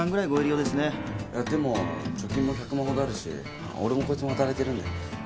いやでも貯金も１００万ほどあるし俺もこいつも働いてるんでそれぐらいは。